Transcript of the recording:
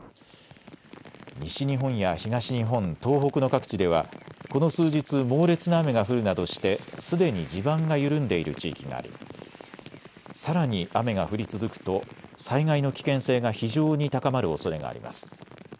西日本や東日本、東北の各地ではこの数日猛烈な雨が降るなどしてすでに地盤が緩んでいる地域がありさらに雨が降り続くと災害の危険性が非常に高まるおそれがあります。